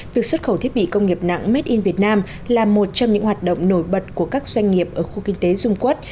việc xuất khẩu thiết bị công nghiệp nặng made in việt nam là một trong những hoạt động nổi bật của các doanh nghiệp ở khu kinh tế dung quốc